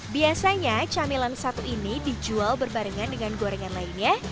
biasanya camilan satu ini dijual berbarengan dengan gorengan lainnya